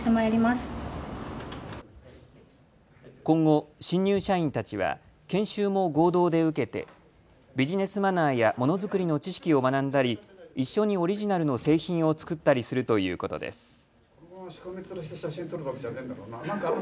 今後、新入社員たちは研修も合同で受けてビジネスマナーやものづくりの知識を学んだり一緒にオリジナルの製品を作ったりするということです。